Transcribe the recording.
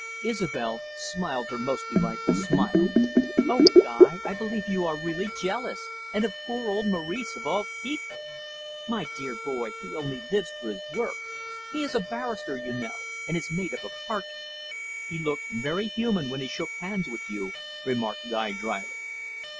Isobel smiled her most delightful smile. "Oh, Guy, I believe you are really jealous, and of poor old Maurice, of all people. My dear boy, he only lives for his work; he is a barrister, you know, and is made up of parchment." "He looked very human when he shook hands with you," remarked Guy drily.